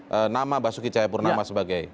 purnama basuki cahayapurnama sebagai